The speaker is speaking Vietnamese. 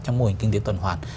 trong mô hình kinh tế tuần hoàn